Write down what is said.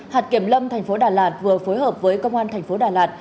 hạt kiểm lâm thành phố đà lạt vừa phối hợp với công an thành phố đà lạt